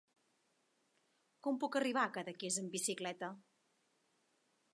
Com puc arribar a Cadaqués amb bicicleta?